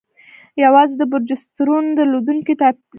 يوازې د پروجسترون درلودونكي ټابليټونه: